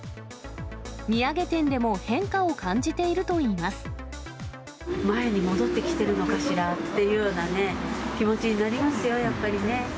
土産店でも変化を感じている前に戻ってきてるのかしらっていうようなね、気持ちになりますよ、やっぱりね。